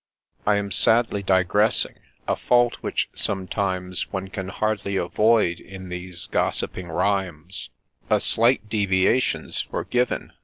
—— I am sadly digressing — a fault which sometimes One can hardly avoid in these gossiping rhymes — A slight deviation 's forgiven